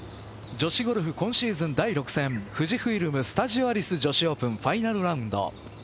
女子ゴルフ今シーズン第６戦富士フイルム・スタジオアリス女子オープンファイナルラウンド。